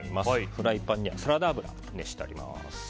フライパンにはサラダ油が熱してあります。